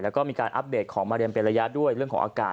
แล้วก็มีการอัปเดตของมะเร็มเป็นระยะด้วยเรื่องของอากาศ